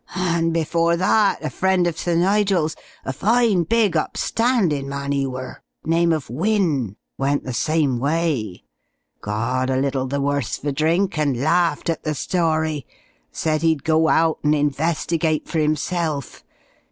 "And before that a friend of Sir Nigel's a fine, big upstandin' man 'e were, name of Wynne went the same way. Got a little the worse for drink and laughed at the story. Said 'e'd go out and investigate for 'imself.